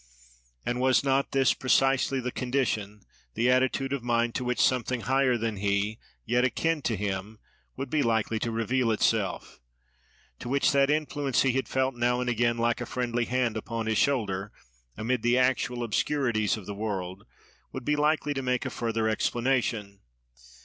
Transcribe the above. And was not this precisely the condition, the attitude of mind, to which something higher than he, yet akin to him, would be likely to reveal itself; to which that influence he had felt now and again like a friendly hand upon his shoulder, amid the actual obscurities of the world, would be likely to make a further explanation?